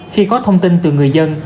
khi có thông tin từ người dân